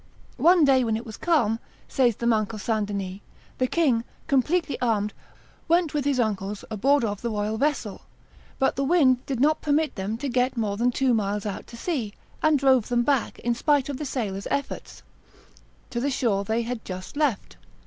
"One day when it was calm," says the monk of St. Denis, "the king, completely armed, went with his uncles aboard of the royal vessel; but the wind did not permit them to get more than two miles out to sea, and drove them back, in spite of the sailors' efforts, to the shore they had just left.